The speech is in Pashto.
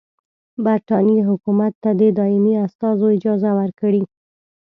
برټانیې حکومت ته دي د دایمي استازو اجازه ورکړي.